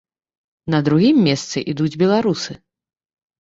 На другім месцы ідуць беларусы.